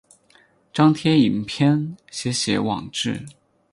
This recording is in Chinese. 张贴影片写写网志